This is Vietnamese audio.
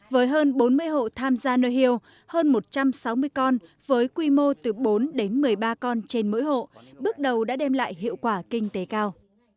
với hơn bốn mươi hộ tham gia nơi hiêu hơn một trăm sáu mươi con với quy mô từ bốn đến một mươi ba con trên mỗi hộ bước đầu đã đem lại hiệu quả kinh tế cao